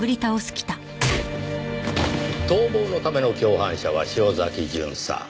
逃亡のための共犯者は潮崎巡査。